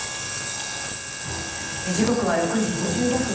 時刻は６時５５分。